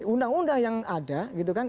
undang undang yang ada gitu kan